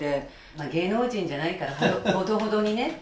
まあ芸能人じゃないからほどほどにねって。